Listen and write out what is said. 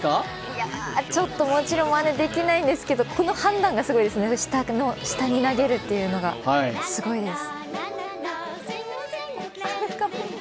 いやぁ、ちょっともちろんまねできないんですけど、この判断がすごいですね、下に投げるというのが、すごいです。